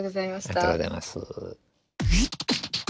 ありがとうございます。